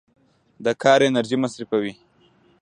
د کار انرژي مصرفوي.